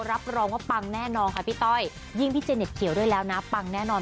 รับรองว่าปังแน่นอนค่ะพี่ต้อยยิ่งพี่เจเน็ตเขียวด้วยแล้วนะปังแน่นอน